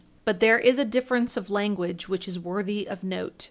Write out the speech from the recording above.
But there is a difference of language which is worthy of note.